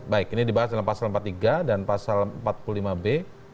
baik ini dibahas dalam pasal empat puluh tiga dan pasal empat puluh lima b